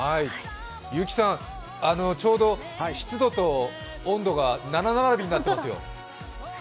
結城さん、ちょうど湿度と温度が七並びになってますよ。